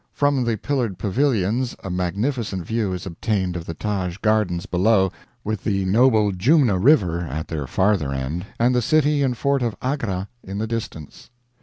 From the pillared pavilions a magnificent view is obtained of the Taj gardens below, with the noble Jumna river at their farther end, and the city and fort of Agra in the distance.